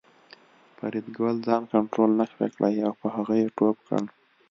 فریدګل ځان کنترول نشو کړای او په هغه یې ټوپ کړ